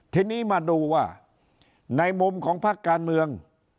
ทีนี้มาดูว่าในมุมของพักการเมือง